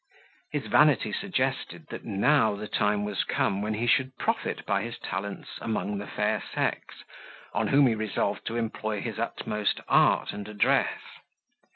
His vanity suggested, that now the time was come when he should profit by his talents among the fair sex, on whom he resolved to employ his utmost art and address.